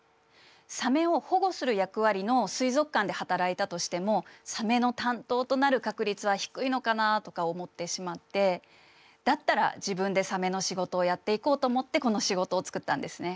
サメを保護する役割の水族館で働いたとしてもサメの担当となる確率は低いのかなあとか思ってしまってだったら自分でサメの仕事をやっていこうと思ってこの仕事を作ったんですね。